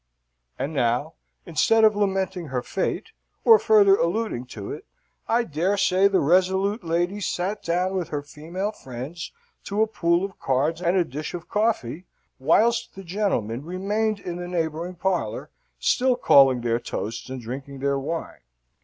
And, now, instead of lamenting her fate, or further alluding to it, I dare say the resolute lady sate down with her female friends to a pool of cards and a dish of coffee, whilst the gentlemen remained in the neighbouring parlour, still calling their toasts and drinking their wine.